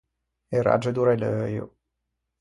E ragge do releuio.